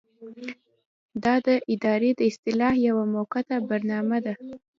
دا د ادارې د اصلاح یوه موقته برنامه ده.